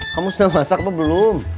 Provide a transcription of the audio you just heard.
kamu sudah masak atau belum